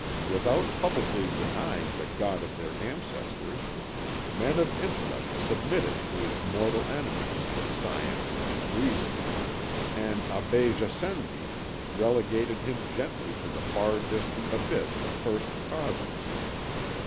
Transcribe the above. Without publicly denying the god of their ancestors, men of intellect submitted to his mortal enemies, Science and Reason, and Abbé Gassendi relegated him gently to the far distant abyss of first causes.